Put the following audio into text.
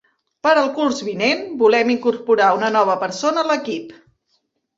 Per al curs vinent volem incorporar una nova persona a l'equip.